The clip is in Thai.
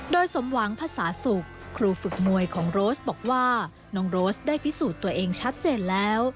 โดยสมหวังภาษาสุกครูฝึกมวยของโรสบอกว่าน้องโรสได้พิสูจน์ตัวเองชัดเจนแล้ว